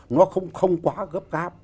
nó không quá gấp gáp